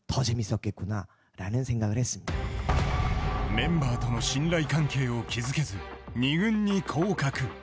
メンバーとの信頼関係を築けず、２軍に降格。